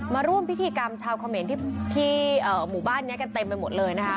มาร่วมพิธีกรรมชาวเขมรที่หมู่บ้านนี้กันเต็มไปหมดเลยนะคะ